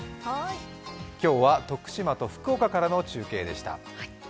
今日は徳島と福岡からの中継でした。